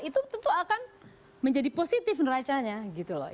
itu tentu akan menjadi positif neracanya gitu loh